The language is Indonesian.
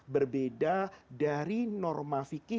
berbeda dari norma fikih